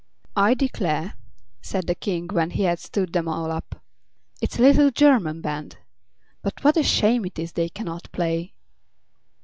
"I declare," said the King, when he had stood them all up, "it's a little German band. But what a shame it is they can not play."